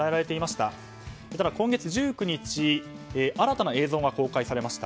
ただ、今月１９日新たな映像が公開されました。